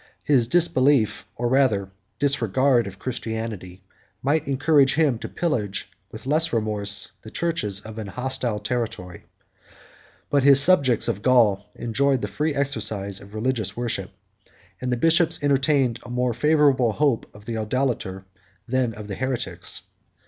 25 His disbelief, or rather disregard, of Christianity, might encourage him to pillage with less remorse the churches of a hostile territory: but his subjects of Gaul enjoyed the free exercise of religious worship; and the bishops entertained a more favorable hope of the idolater, than of the heretics.